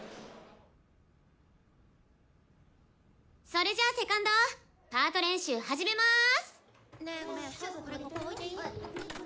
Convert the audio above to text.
それじゃあセカンドパート練習始めます。